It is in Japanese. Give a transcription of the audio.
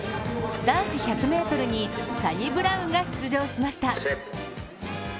男子１００ｍにサニブラウンが出場しました。